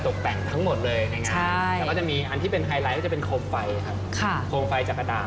อย่างงั้นก็จะมีอันที่เป็นไฮไลท์ก็จะเป็นโครงไฟค่ะโครงไฟจากกระดาษ